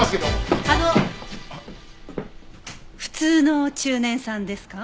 普通の中年さんですか？